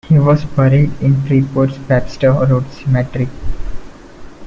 He was buried in Freeport's Webster Road Cemetery.